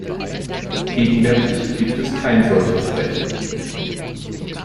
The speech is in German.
Gegenwärtig gibt es kein solches Recht.